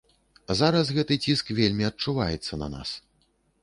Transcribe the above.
Зараз гэты ціск вельмі адчуваецца на нас.